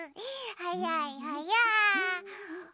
はやいはやい。